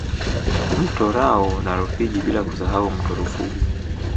Mto Rau na Rufiji bila kusahau mto Rufugu